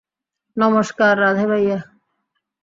নমস্কার, রাধে ভাইয়া!